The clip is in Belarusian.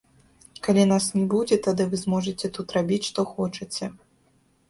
Калі нас не будзе, тады вы зможаце тут рабіць, што хочаце.